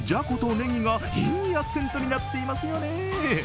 ねぎがいいアクセントになっていますよね。